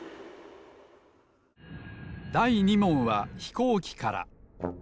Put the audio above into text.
だい２もんはひこうきから。